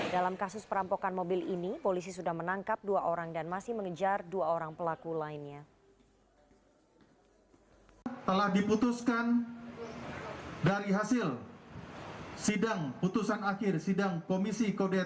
dalam kasus perampokan mobil ini polisi sudah menangkap dua orang dan masih mengejar dua orang pelaku lainnya